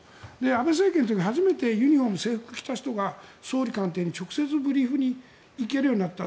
安倍政権の時初めてユニホーム、制服を着た人が総理官邸に直接ブリーフに行けるようになった。